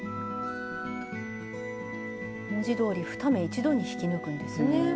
文字どおり２目一度に引き抜くんですね。